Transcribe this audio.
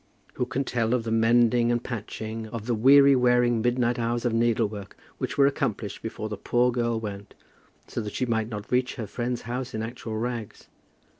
Who can tell of the mending and patching, of the weary wearing midnight hours of needlework which were accomplished before the poor girl went, so that she might not reach her friend's house in actual rags?